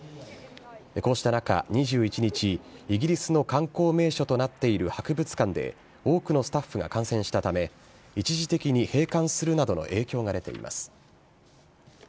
こうした中、２１日、イギリスの観光名所となっている博物館で、多くのスタッフが感染したため、一時的に閉館するなどの影響が出ています。